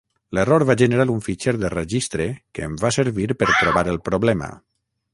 L'error va generar un fitxer de registre que em va servir per trobar el problema.